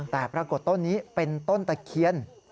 แต่ปรากฏต้นนี้เป็นต้นตะเคียน